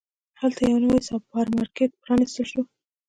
هلته یو نوی سوپرمارکېټ پرانستل شو.